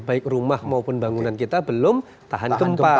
baik rumah maupun bangunan kita belum tahan gempa